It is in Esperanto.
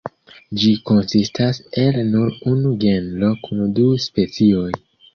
Ĝi konsistas el nur unu genro kun du specioj.